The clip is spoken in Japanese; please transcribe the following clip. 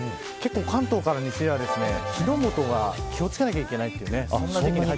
関東から西は火の元が気を付けなきゃいけないというね。